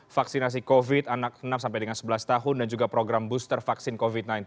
vaksinasi covid anak enam sampai dengan sebelas tahun dan juga program booster vaksin covid sembilan belas